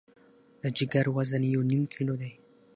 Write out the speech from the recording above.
د جګر وزن یو نیم کیلو دی.